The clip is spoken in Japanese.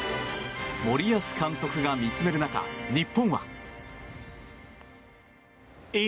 森保監督が見つめる中日本は。